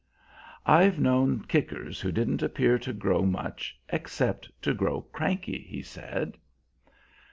"I've known kickers who didn't appear to grow much, except to grow cranky," he said.